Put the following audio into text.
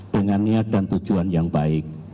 dengan niat dan tujuan yang baik